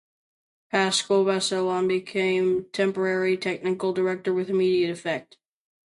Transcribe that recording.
Pascal Vasselon became temporary Technical Director with immediate effect.